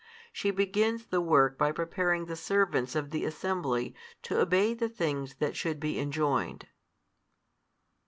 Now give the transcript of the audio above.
She begins the work by preparing the servants of the assembly to obey the things that should be enjoined.